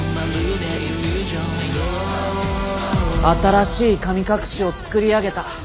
新しい神隠しを作り上げた。